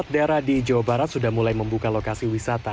empat daerah di jawa barat sudah mulai membuka lokasi wisata